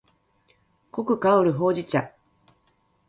濃く香るほうじ茶